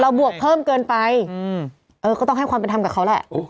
บวกเพิ่มเกินไปก็ต้องให้ความเป็นธรรมกับเขาแหละ